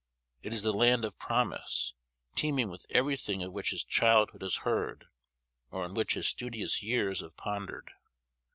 It is the land of promise, teeming with everything of which his childhood has heard, or on which his studious years have pondered.